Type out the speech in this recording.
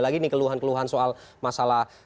lagi nih keluhan keluhan soal masalah